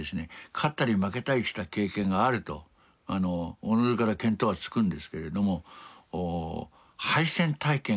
勝ったり負けたりした経験があるとおのずから見当はつくんですけれども敗戦体験がないからですね